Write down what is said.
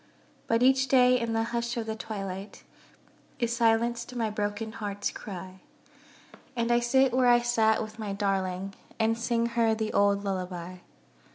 But each day in the hush of the twilight, Is silenced my broken heart's cry; And I sit where I sat with my darling, And sing her the old lullaby.